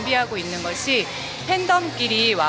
pandemik yang berdua